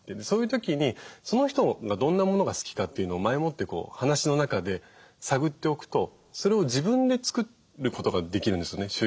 そういう時にその人がどんなものが好きかっていうのを前もって話の中で探っておくとそれを自分で作ることができるんですよね